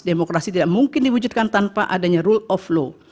demokrasi tidak mungkin diwujudkan tanpa adanya rule of law